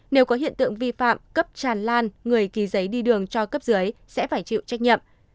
nếu có hiện tượng vi phạm cấp tràn lan người ký giấy đi đường cho cấp dưới sẽ phải chịu trách nhiệm